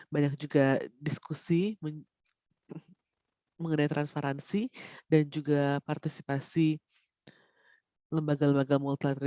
banyak juga diskusi mengenai transparansi dan juga partisipasi lembaga lembaga multland